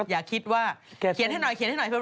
อย่าคิดว่าเขียนให้หน่อย